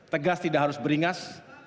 tegas tidak harus beringas